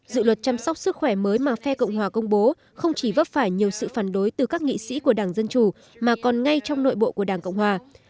dự luật chăm sóc sức khỏe mới mà phe cộng hòa công bố không chỉ vấp phải nhiều sự phản đối từ các nghị sĩ của đảng dân chủ mà còn ngay trong nội bộ của đảng cộng hòa